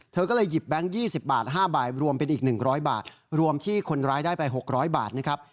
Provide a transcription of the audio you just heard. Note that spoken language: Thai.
เธอก็เลยหยิบแบงค์๒๐บาท๕บาทรวมเป็นอีก๑๐๐บาทรวมที่คนร้ายได้ไป๖๐๐บาทนะครับ